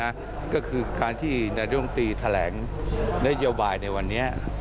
นะฮะก็คือการที่นาฬิยมตรีแถลงนัยเยียวบายในวันนี้